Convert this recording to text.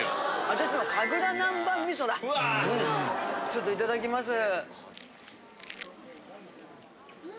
・ちょっといただきます。